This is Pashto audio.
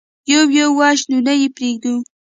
يو يو وژنو، نه يې پرېږدو.